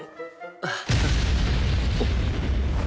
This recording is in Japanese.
あっ！